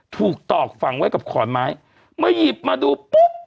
ถูกตอกฝั่งไว้กับขอนไม้มันหยิบมาดูปุ๊บ